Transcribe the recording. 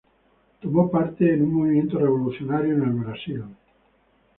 Tomó parte en un movimiento revolucionario en el Brasil.